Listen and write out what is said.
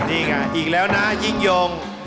นี่ไงอีกแล้วนะยิ่งยง